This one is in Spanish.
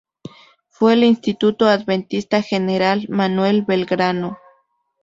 Fue el Instituto Adventista General Manuel Belgrano.